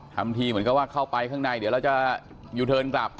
ทำทีเหมือนกับว่าเข้าไปข้างในเดี๋ยวเราจะยูเทิร์นกลับ